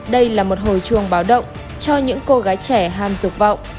đây là một hồi chuông báo động cho những cô gái trẻ ham dục vọng